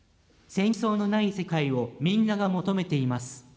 戦争のない世界をみんなが求めています。